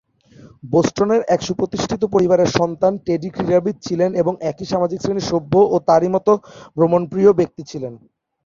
বোস্টনের এক সুপ্রতিষ্ঠিত পরিবারের সন্তান টেডি ক্রীড়াবিদ ছিলেন এবং একই সামাজিক শ্রেণীর সভ্য ও তারই মত ভ্রমণপ্রিয় ব্যক্তি ছিলেন।